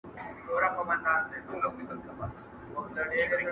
o تر باغ ئې مورۍ لو ده٫